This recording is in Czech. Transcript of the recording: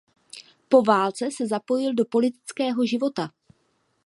Po válce se zapojil do politického života.